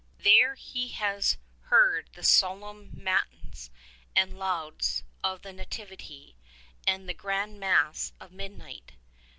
There he has heard the solemn Matins and Lauds of the Nativity, and the grand Mass of midnight.